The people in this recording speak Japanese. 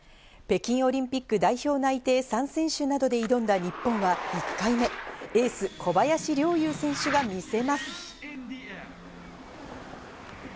北京オリンピック代表内定３選手などで挑んだ日本は１回目、エース・小林陵侑選手が見せます。